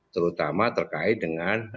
terutama terkait dengan